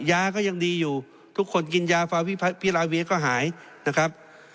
ยาก็ยังดีอยู่ทุกคนกินยาฟาวิลาเวียก็หายนะครับ